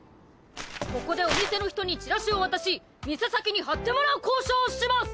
ここでお店の人にチラシを渡し店先に貼ってもらう交渉をします！